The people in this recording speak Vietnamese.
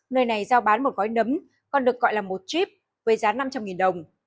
nơi này giao bán một gói nấm còn được gọi là một chip với giá năm trăm linh đồng